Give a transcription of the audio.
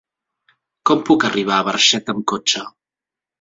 Com puc arribar a Barxeta amb cotxe?